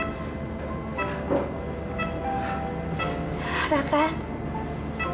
itu kalau ibu aku katakan senber dengan kamu